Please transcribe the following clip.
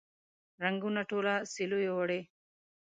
رنګونه ټوله سیلیو وړي